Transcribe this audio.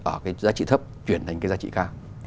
ở cái giá trị thấp chuyển thành cái giá trị cao